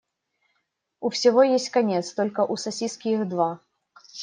У всего есть конец, только у сосиски их два.